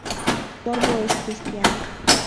Sorbo es cristiano.